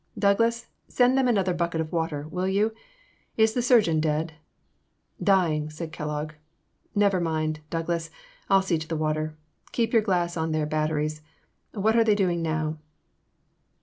Douglas, send them another bucket of water, will you ? Is the surgeon dead? "Dying," said Kellogg, —never mind, Doug las, I '11 see to the water; keep your glass on their batteries; what are they doing now